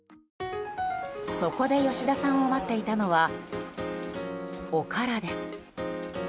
そこで吉田さんを待っていたのはおからです。